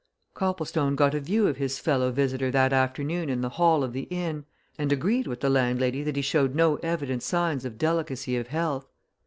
Copplestone got a view of his fellow visitor that afternoon in the hall of the inn, and agreed with the landlady that he showed no evident signs of delicacy of health.